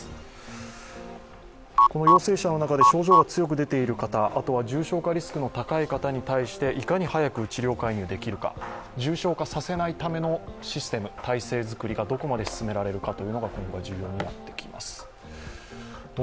陽性者の中で症状が強く出ている方、重症化リスクが高い方についていかに早く治療介入できるか、重症化させないためのシステム、体制づくりがどこまで進められるかが今後重要になってきます。